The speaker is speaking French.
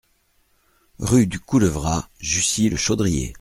Rue du Coulevra, Jussy-le-Chaudrier